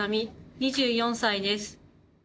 ２４歳です。